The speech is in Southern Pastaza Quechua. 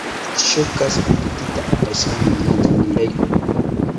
Shuk kaspi pitita apashkani yantaynirayku.